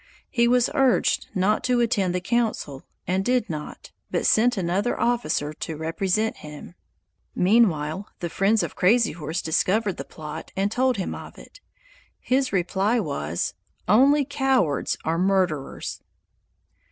He was urged not to attend the council and did not, but sent another officer to represent him. Meanwhile the friends of Crazy Horse discovered the plot and told him of it. His reply was, "Only cowards are murderers."